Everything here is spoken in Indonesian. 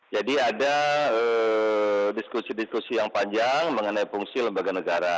jadi ada diskusi diskusi yang panjang mengenai fungsi lembaga negara